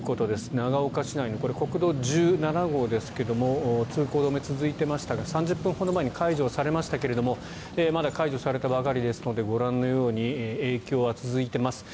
長岡市内のこれは国道１７号ですが通行止め続いていましたが３０分ほど前に解除されましたがまだ解除されたばかりですのでご覧のように影響は続いています。